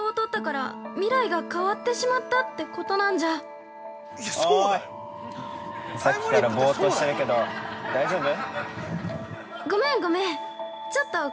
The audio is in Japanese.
◆おい、さっきからぼーっとしてるけど大丈夫？